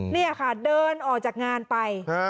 นี่ค่ะเดินออกจากงานไป